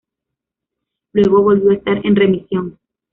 Luego volvió a estar en remisión.